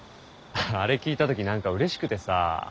あれ聞いた時何か嬉しくてさ。